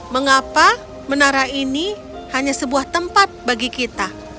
mengapa menara ini hanya sebuah tempat bagi kita